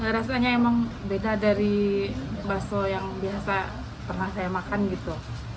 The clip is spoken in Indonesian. rasanya emang beda dari bakso yang biasa pernah saya makan gitu